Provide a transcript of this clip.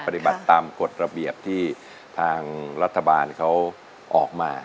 ปฏิบัติตามกฎระเบียบที่ทางรัฐบาลเขาออกมา